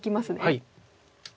はい。